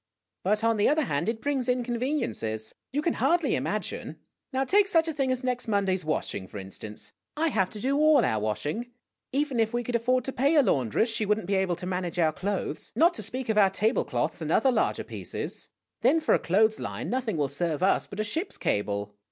But, on the other hand, it brings inconveniences. You can hardly ima gine. Now, take such a thing as next Monday's washing, for in stance. I have to do all our washing. Even if we could afford to o pay a laundress, she would n't be able to manage our clothes, not to speak of our table cloths and other larger pieces. Then, for a clothes line, nothing will serve us but a ship's cable.